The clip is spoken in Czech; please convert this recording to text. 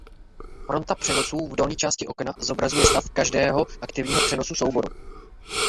Fronta přenosů v dolní části okna zobrazuje stav každého aktivního přenosu souboru.